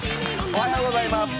おはようございます。